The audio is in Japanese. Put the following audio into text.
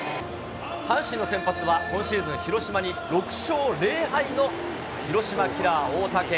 阪神の先発は、今シーズン、広島に６勝０敗の広島キラー、大竹。